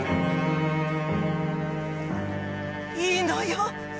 いいのよ！